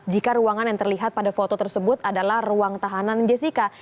jika ruangan yang terlihat pada foto tersebut adalah ruang tahanan jessica